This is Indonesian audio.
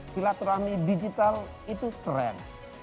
silaturahmi digital itu keren